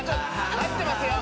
入ってますよ！